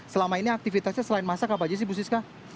selama ini aktivitasnya selain masak apa aja sih bu siska